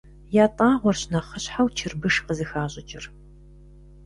ЯтӀагъуэрщ нэхъыщхьэу чырбыш къызыхащӀыкӀыр.